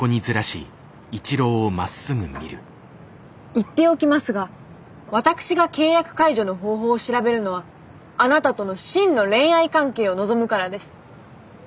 言っておきますが私が契約解除の方法を調べるのはあなたとの真の恋愛関係を望むからです。